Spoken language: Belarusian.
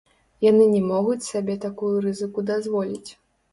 Яны не могуць сабе такую рызыку дазволіць.